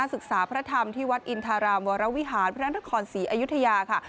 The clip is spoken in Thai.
ศึกษาพระธรรมที่วัดอินทรามณ์วรวิหารพระนักร้อนศรีอยุธยาค่ะ